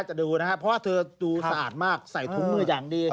จะดูนะครับเพราะว่าเธอดูสะอาดมากใส่ถุงมืออย่างดี